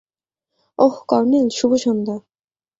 অহ, colonel, শুভ সন্ধ্যা।